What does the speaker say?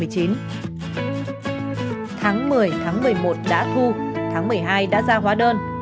tháng một mươi tháng một mươi một đã thu tháng một mươi hai đã ra hóa đơn